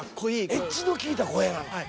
エッジの利いた声なの？